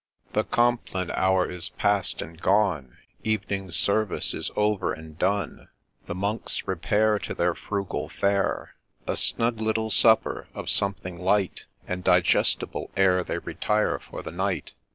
The Compline hour is past and gone, Evening service is over and done ; The monks repair To their frugal fare, A snug little supper of something light And digestible, ere they retire for the night.